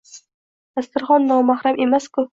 — Dasturxon nomahram emas-ku?